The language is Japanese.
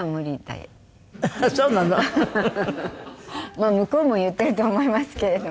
まあ向こうも言っていると思いますけれども。